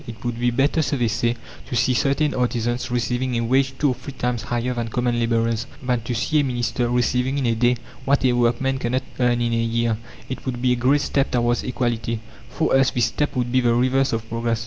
"It would be better," so they say, "to see certain artisans receiving a wage two or three times higher than common labourers, than to see a minister receiving in a day what a workman cannot earn in a year. It would be a great step towards equality." For us this step would be the reverse of progress.